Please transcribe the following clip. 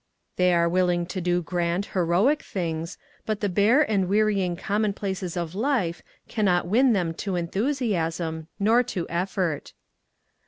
They are willing to do grand, heroic things, but the bare and weary ing commonplaces of life cannot win them to enthusiasm, nor to effort.